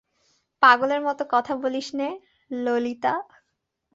পাগলের মতো কথা বলিস নে ললিতা!